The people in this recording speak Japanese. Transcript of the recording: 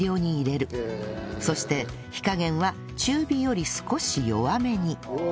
そして火加減は中火より少し弱めに